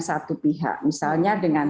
satu pihak misalnya dengan